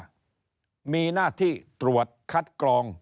มูลนิธิมีหน้าที่ตรวจคัดกรอง